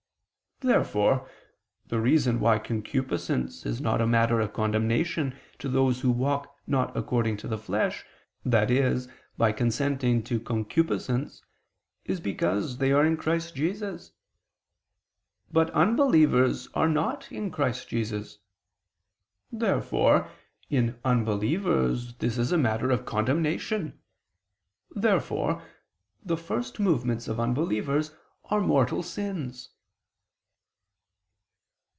Therefore the reason why concupiscence is not a matter of condemnation to those who walk not according to the flesh, i.e. by consenting to concupiscence, is because they are in Christ Jesus. But unbelievers are not in Christ Jesus. Therefore in unbelievers this is a matter of condemnation. Therefore the first movements of unbelievers are mortal sins.